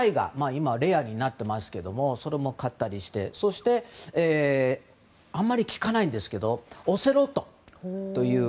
今、レアになってますけどもそれも飼ったりしてそして、あまり聞かないんですがオセロットという。